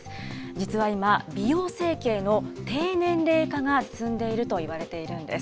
実は今、美容整形の低年齢化が進んでいるといわれているんです。